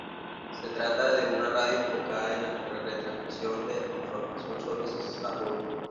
Se trata de una radio enfocada en la retransmisión de información sobre Sajonia.